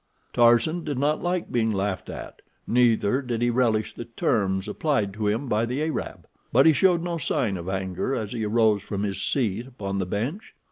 Tarzan did not like being laughed at, neither did he relish the terms applied to him by the Arab, but he showed no sign of anger as he arose from his seat upon the bench.